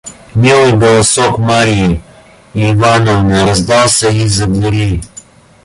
Милый голосок Марьи Ивановны раздался из-за дверей.